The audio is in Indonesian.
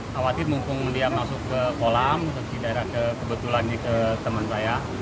khawatir mumpung dia masuk ke kolam di daerah kebetulan ke teman saya